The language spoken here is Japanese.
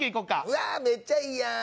うわめっちゃいいやん！